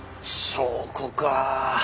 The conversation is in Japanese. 証拠か。